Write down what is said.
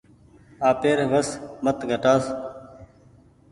آپير وس مت گھٽآس ۔